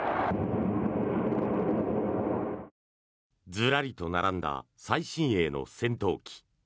ズラリと並んだ最新鋭の戦闘機。